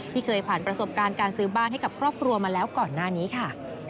เคยผ่านประสบการณ์การซื้อบ้านให้กับครอบครัวมาแล้วก่อนหน้านี้ค่ะ